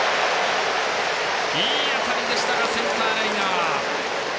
いい当たりでしたがセンターライナー。